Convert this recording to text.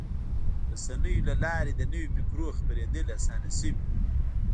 د رسنیو له لارې د نوي فکرونو خپرېدل اسانه شوي.